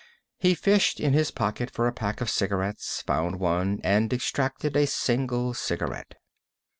He fished in his pocket for a pack of cigarettes, found one, and extracted a single cigarette.